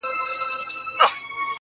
• خير دی، زه داسي یم، چي داسي نه وم.